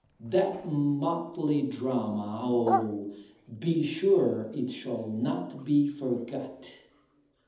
That motley drama oh, be sure It shall not be forgot!